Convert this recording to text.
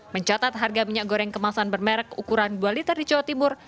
mencatat harga minyak goreng kemasan bermerek ukuran dua liter di jawa timur